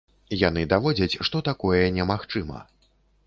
Яны даводзяць, што такое не магчыма.